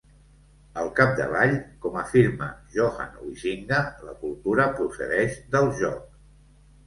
Al capdavall, com afirma Johan Huizinga, la cultura procedeix del joc.